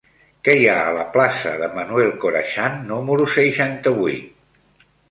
Què hi ha a la plaça de Manuel Corachan número seixanta-vuit?